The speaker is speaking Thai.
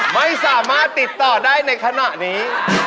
ไม่สามารถติดต่อได้ในขณะนี้